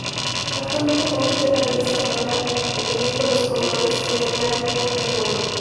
Actualmente compite en la liga española defendiendo los colores del Reial Club de Polo.